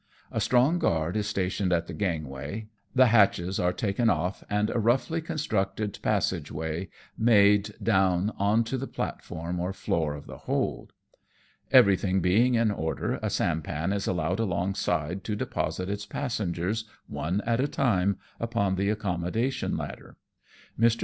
A strong guard is stationed at the gangway, the hatches are taken off, and a roughly constructedpassage way made down on to the platform or floor of the hold. HESCUING FUGITIVE CEIESTIALS. 233 Eyerything being in order, a sampan is allowed alongside to deposit its passengersj one at a time, upon the accommodation ladder. Mr.